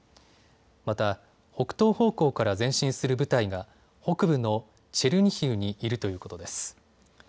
また北東方向から前進する部隊が北部のチェルニヒウにいるということです。